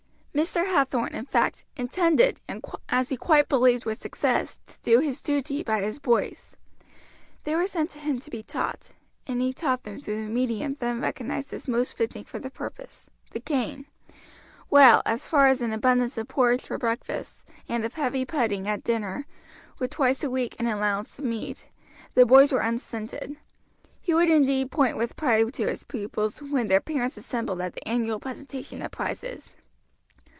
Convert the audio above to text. Mr. Hathorn, in fact, intended, and as he quite believed with success, to do his duty by his boys. They were sent to him to be taught, and he taught them through the medium then recognized as most fitting for the purpose the cane; while, as far as an abundance of porridge for breakfast, and of heavy pudding at dinner, with twice a week an allowance of meat, the boys were unstinted. He would indeed point with pride to his pupils when their parents assembled at the annual presentation of prizes.